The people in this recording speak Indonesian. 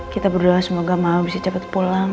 kita berdoa semoga mau bisa cepat pulang